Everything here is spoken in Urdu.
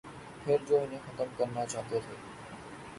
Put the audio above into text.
پھر جو انہیں ختم کرنا چاہتے تھے۔